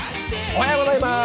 おはようございます。